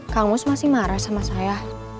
kang mus masih marah sama saya